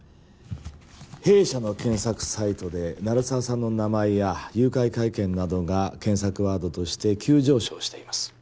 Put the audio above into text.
弊社の検索サイトで鳴沢さんの名前や誘拐会見などが検索ワードとして急上昇しています